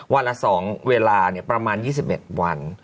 วันละ๒เวลาประมาณ๒๑วัน